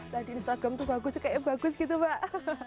tadi instagram tuh bagus kayaknya bagus gitu mbak